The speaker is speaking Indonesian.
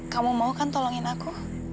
kamu mau kan tolongin aku